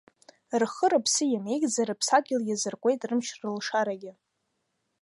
Рхы-рыԥсы иамеигӡа рыԥсадгьыл иазыркуеит рымч-рылшарагьы.